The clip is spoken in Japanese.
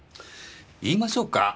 言いましょうか？